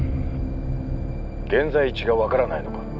現在地が分からないのか？